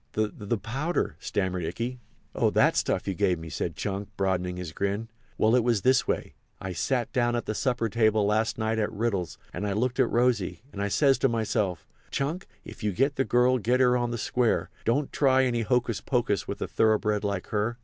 "The—the—powder?" stammered Ikey. "Oh, that stuff you gave me!" said Chunk, broadening his grin; "well, it was this way. I sat down at the supper table last night at Riddle's, and I looked at Rosy, and I says to myself, 'Chunk, if you get the girl get her on the square—don't try any hocus pocus with a thoroughbred like her.